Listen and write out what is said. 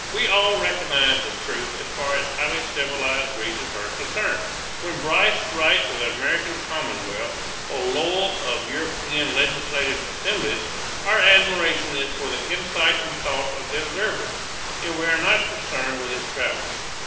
We all recognize this truth as far as highly civilized regions are concerned: when Bryce writes of the American commonwealth, or Lowell of European legislative assemblies, our admiration is for the insight and thought of the observer, and we are not concerned with his travels.